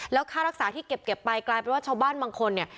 แล้วค่ารักษาที่เก็บไปกลายเป็นว่าชาวบ้านบางคนเนี่ย